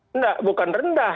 tidak bukan rendah